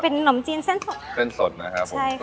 เป็นนมจีนเส้นสดเส้นสดนะครับผมใช่ค่ะ